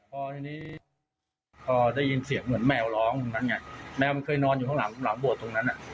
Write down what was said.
พอได้ยินเสียงเหมือนแมวร้องแมวมันเคยนอนอยู่ข้างหลังบวชตรงนั้น